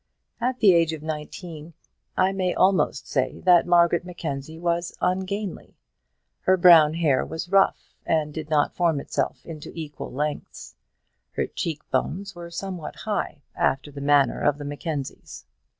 At the age of nineteen, I may almost say that Margaret Mackenzie was ungainly. Her brown hair was rough, and did not form itself into equal lengths. Her cheek bones were somewhat high, after the manner of the Mackenzies.